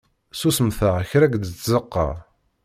Susmet-aɣ kra deg tzeqqa!